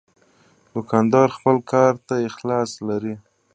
دوکاندار خپل کار ته اخلاص لري.